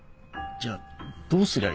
じゃあどうすりゃいいの？